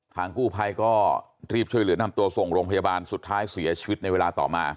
กู้ภัยก็รีบช่วยเหลือนำตัวส่งโรงพยาบาลสุดท้ายเสียชีวิตในเวลาต่อมา